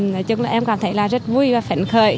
nói chung là em cảm thấy là rất vui và phấn khởi